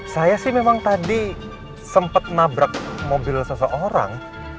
saya sih memang tadi sempat nabrak mobil seseorang